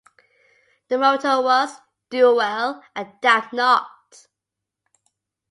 The motto was "Do well and doubt not".